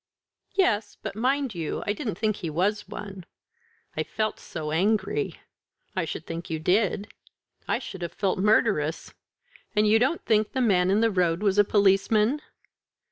"Yes; but, mind you, I didn't think he was one. I felt so angry." "I should think you did. I should have felt murderous. And you don't think the man in the road was a policeman?"